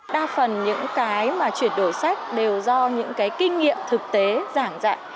đa phần những cái mà chuyển đổi sách đều do những cái kinh nghiệm thực tế giảng dạy